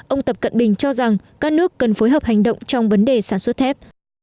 ông tập cận bình cho rằng các nước cần phối hợp hành động trong vấn đề sản xuất thép